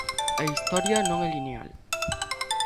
A historia non é lineal.